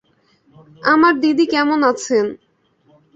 আমার দিদি কেমন আছেন?